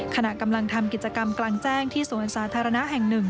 ขณะกำลังทำกิจกรรมกลางแจ้งที่สวนสาธารณะแห่งหนึ่ง